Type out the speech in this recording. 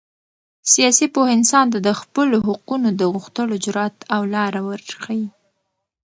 سیاسي پوهه انسان ته د خپلو حقونو د غوښتلو جرات او لاره ورښیي.